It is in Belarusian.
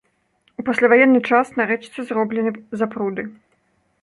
У пасляваенны час на рэчцы зроблены запруды.